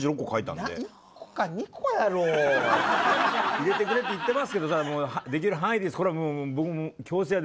入れてくれって言ってますけどできるだけですよ。